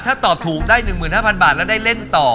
ถ้าตอบถูกได้๑๕๐๐บาทแล้วได้เล่นต่อ